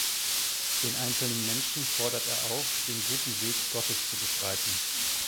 Den einzelnen Menschen fordert er auf, den guten Weg Gottes zu beschreiten.